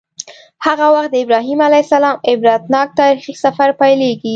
هغه وخت د ابراهیم علیه السلام عبرتناک تاریخي سفر پیلیږي.